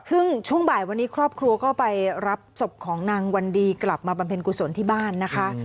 ซึ่งช่วงบ่ายวันนี้ครอบครัวก็ไปรับศพของนางวันดีกลับมาบำเพ็ญกุศลที่บ้านนะคะ